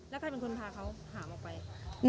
แล้วใครเป็นคนพาเขาหามออกไป